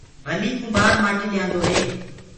پيلي ڪُنڀآ ڪآٽيٚ ليآندو هي۔